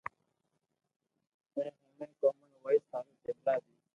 اي بوني ۾ ڪومن وائس ھارون جملا بي